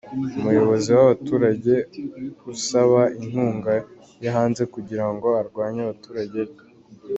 Umuyobozi w’abaturage usaba inkunga yo hanze kugira ngo arwanye abaturage be.